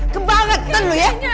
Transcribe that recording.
kebangetan lu ya